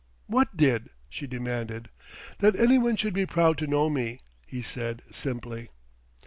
"What did?" she demanded. "That anyone should be proud to know me," he said simply.